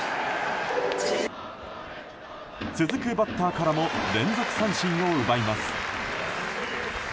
続くバッターからも連続三振を奪います。